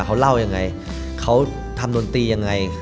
เขาเล่ายังไงเขาทำดนตรียังไง